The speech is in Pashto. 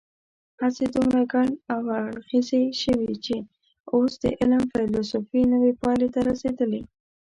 هڅې دومره ګڼ اړخیزې شوي چې اوس د علم فېلسوفي نوې پایلې ته رسېدلې.